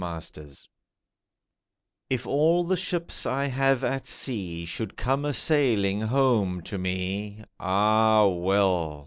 MY SHIPS If all the ships I have at sea Should come a sailing home to me, Ah, well!